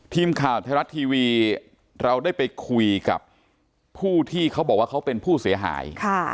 ทีมข่าวไทยรัฐทีวีเราได้ไปคุยกับผู้ที่เขาบอกว่าเขาเป็นผู้เสียหาย